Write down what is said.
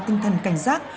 tinh thần cảnh giác